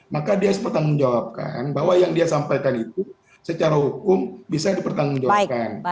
maka dia harus bertanggung jawabkan bahwa yang dia sampaikan itu secara hukum bisa dipertanggungjawabkan